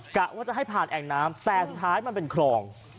กะว่าจะให้ผ่านแอ่งน้ำแต่สุดท้ายมันเป็นคลอง